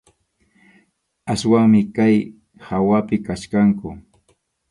Aswanmi kay hawapi kachkanku.